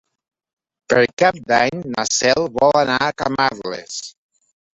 Per Cap d'Any na Cel vol anar a Camarles.